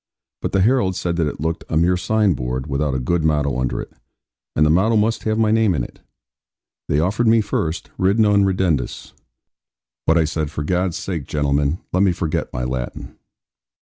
But the heralds said that it looked a mere sign board, without a good motto under it; and the motto must have my name in it. They offered me first, 'Ridd non ridendus'; but I said, 'for God's sake, gentlemen, let me forget my Latin.'